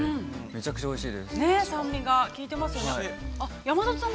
めちゃくちゃおいしい。